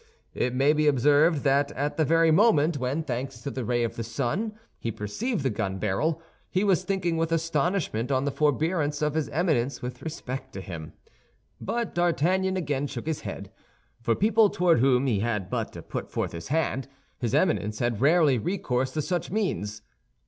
It may be observed that at the very moment when, thanks to the ray of the sun, he perceived the gun barrel, he was thinking with astonishment on the forbearance of his Eminence with respect to him. But D'Artagnan again shook his head. For people toward whom he had but to put forth his hand, his Eminence had rarely recourse to such means.